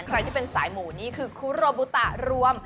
ใครที่เป็นสายหมูนี่คือคุโรบุตะรวม